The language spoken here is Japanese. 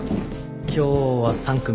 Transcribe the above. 今日は３組。